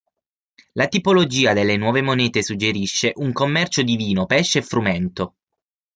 La tipologia delle nuove monete suggerisce un commercio di vino, pesce e frumento.